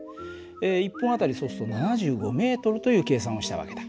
１分あたりそうすると７５ｍという計算をした訳だ。